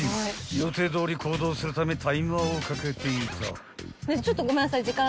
［予定どおり行動するためタイマーをかけていた］